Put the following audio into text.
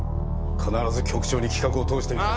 必ず局長に企画を通してみせる。